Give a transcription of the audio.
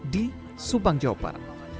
di subang jawa barat